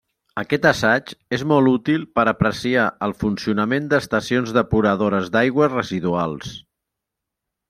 Aquest assaig és molt útil per apreciar el funcionament d'estacions depuradores d'aigües residuals.